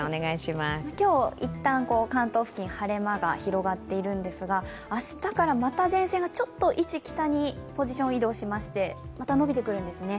今日、一旦、関東付近晴れ間が広がっているんですが明日からまた前線がちょっと、位置北にポジション移動しましてまた伸びてくるんですね。